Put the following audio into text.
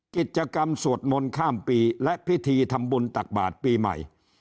กิจกรรมสวดมนต์ข้ามปีและพิธีทำบุญตักบาทปีใหม่